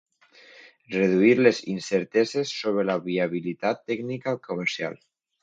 Reduir les incerteses sobre la viabilitat tècnica i comercial.